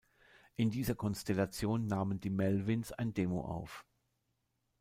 In dieser Konstellation nahmen die Melvins ein Demo auf.